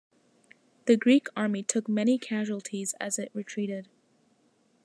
The Greek army took many casualties as it retreated.